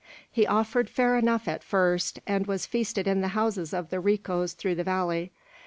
"He offered fair enough at first, and was feasted in the houses of the ricos through the valley.